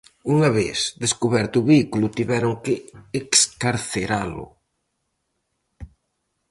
Unha vez descuberto o vehículo tiveron que excarceralo.